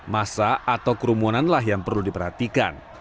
masa atau kerumunanlah yang perlu diperhatikan